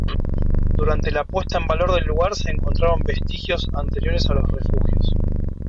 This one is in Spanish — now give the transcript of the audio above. Durante la puesta en valor del lugar, se encontraron vestigios anteriores a los refugios.